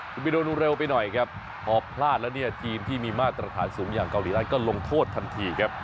คุณบิโดดูเร็วไปหน่อยครับพอพลาดแล้วเนี่ยทีมที่มีมาตรฐานสูงอย่างเกาหลีใต้ก็ลงโทษทันทีครับ